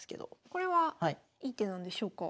これはいい手なんでしょうか？